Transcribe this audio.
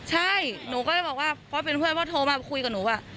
ใช่หนูก็เลยบอกว่าเพราะเป็นเพื่อนเพราะโทรมาคุยกับหนูว่า